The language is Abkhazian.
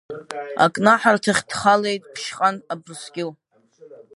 Акнаҳарҭахь дхалеит Ԥшьҟан Абрскьыл.